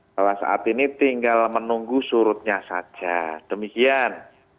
bahwa saat ini tinggal menunggu surutnya saja demikian